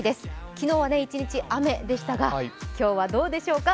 昨日は一日雨でしたが、今日はどうでしょうか？